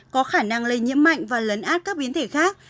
có khả năng lây nhiễm mạnh và lấn át các biến thể khác